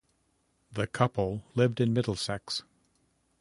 The couple lived in Middlesex.